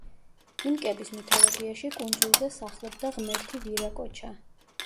ინკების მითოლოგიაში, კუნძულზე სახლობდა ღმერთი ვირაკოჩა.